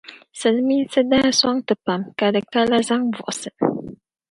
Siliminsi daa sɔŋ ti pam ka di ka la zaŋ' buɣisi.